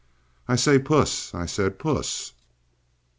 "I say, Puss!" I said. "Puss!"